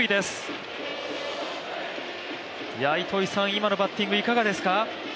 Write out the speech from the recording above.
今のバッティング、いかがですか？